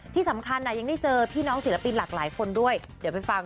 ที่สำคัญยังได้เจอพี่น้องศิลปินหลากหลายคนด้วยเดี๋ยวไปฟัง